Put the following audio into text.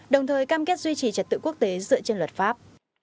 đồng thời cam kết duy trì trật tự quốc tế dựa trên luật pháp